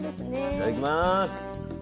いただきます。